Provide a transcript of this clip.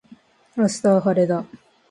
明日は晴れだ。